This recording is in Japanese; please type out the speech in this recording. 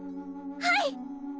はい！